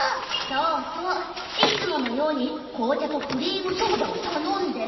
そうそういつものようにこうちゃとクリームソーダをたのんで。